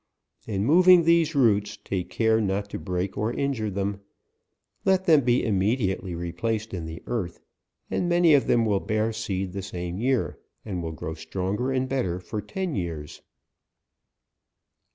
In moving these roots, take care not to break or injure them. Let them be immediately replaced in the eartl], and many of them will bear seed the same year, and will grow stronger and better for ten years.